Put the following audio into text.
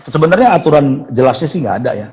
sebenernya aturan jelasnya sih ga ada ya